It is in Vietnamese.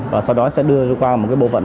và sau đó sẽ đưa qua một bộ phận